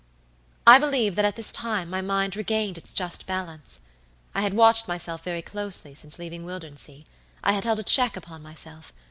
"I believe that at this time my mind regained its just balance. I had watched myself very closely since leaving Wildernsea; I had held a check upon myself.